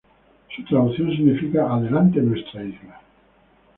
Su traducción significa "Adelante nuestra isla".